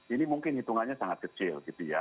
ini mungkin hitungannya sangat kecil gitu ya